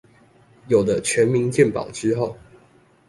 有了全民健保之後